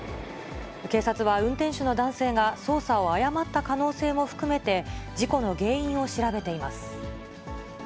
警察は運転手の男性が操作を誤った可能性も含めて、事故の原因を調べています。